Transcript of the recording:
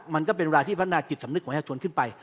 มันก็เป็นเวลาที่พัฒนาจิตสำนึกของประชาชนขึ้นไป